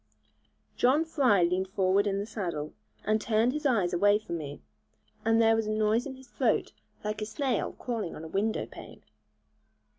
John Fry leaned forward in the saddle, and turned his eyes away from me; and then there was a noise in his throat like a snail crawling on a window pane.